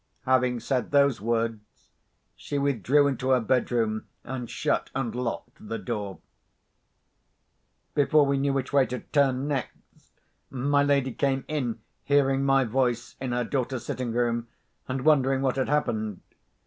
Having said those words, she withdrew into her bedroom, and shut and locked the door. Before we knew which way to turn next, my lady came in, hearing my voice in her daughter's sitting room, and wondering what had happened.